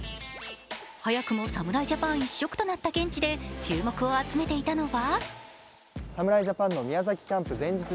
早くも侍ジャパン一色となった現地で注目を集めていたのは。